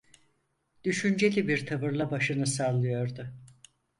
Düşünceli bir tavırla başını sallıyordu...